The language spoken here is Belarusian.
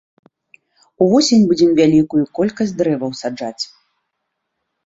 Увосень будзем вялікую колькасць дрэваў саджаць.